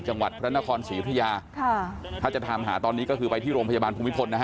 จังหวัดพระนครศรีอุทยาค่ะถ้าจะถามหาตอนนี้ก็คือไปที่โรงพยาบาลภูมิพลนะฮะ